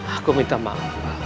aku minta maaf pak